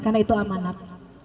karena itu amanat